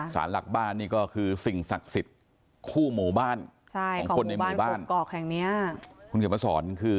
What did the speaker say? สารหลักบ้านก็คือสิ่งศักดิ์สิทธิ์ขู่หมู่บ้านของคนในหมู่บ้าน